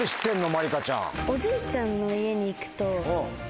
まりかちゃん。